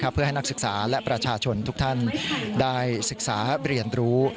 เพื่อให้นักศึกษาและประชาชนทุกท่านได้ศึกษาเรียนรู้